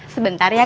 sebentar ya kang